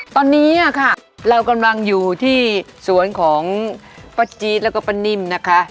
ตอนนี้ค่ะเรากำลังอยู่ที่สวนของป้าจี๊ดแล้วก็ป้านิ่มนะคะ